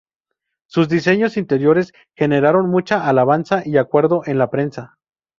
Sus diseños interiores generaron mucha alabanza y acuerdo en la prensa.